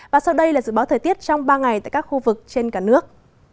và sau đây là dự báo thời tiết trong ba ngày tại các khu vực trên cả nước